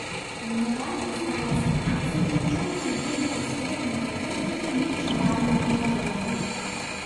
Мемарандум славацкай нацыі ўключаў у сябе як істотныя, гэтак і менш важныя палажэнні.